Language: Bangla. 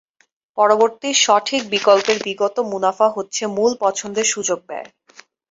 পরবর্তী সঠিক বিকল্পের বিগত মুনাফা হচ্ছে মুল পছন্দের সুযোগ ব্যয়।